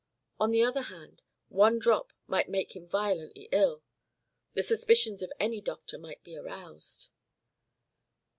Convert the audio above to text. On the other hand, one drop might make him violently ill; the suspicions of any doctor might be aroused.